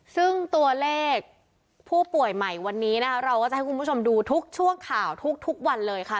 ซึ่งตัวเลขผู้ป่วยใหม่วันนี้นะคะเราก็จะให้คุณผู้ชมดูทุกช่วงข่าวทุกวันเลยค่ะ